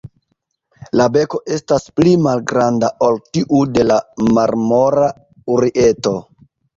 La beko estas pli malgranda ol tiu de la Marmora urieto.